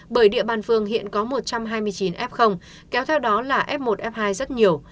bởi địa bàn phường hiện có một trăm hai mươi chín f kéo theo đó là f một f hai rất nhiều